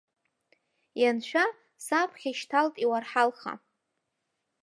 Ианшәа, саԥхьа ишьҭалт иуарҳалха.